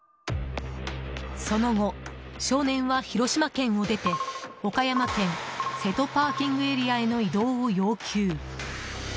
その後、少年は広島県を出て岡山県瀬戸ＰＡへの移動を要求。